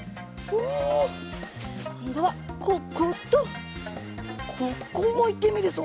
おこんどはこことここもいってみるぞ。